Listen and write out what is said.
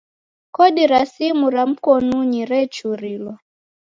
Kodi ra simu ra mkonunyi rechurilwa.